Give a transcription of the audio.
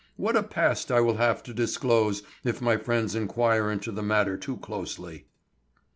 What a past I will have to disclose if my friends inquire into the matter too closely."